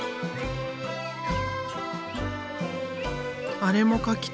「あれも描きたい」